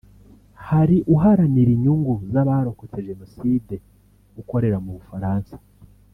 hari uharanira inyungu z’abarokotse Jenoside ukorera mu Bufaransa